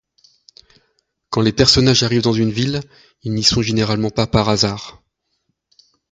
Quand les personnages arrivent dans une ville, ils n'y sont généralement pas par hasard.